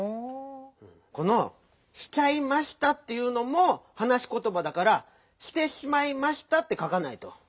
この「しちゃいました」っていうのもはなしことばだから「『してしまい』ました」ってかかないと。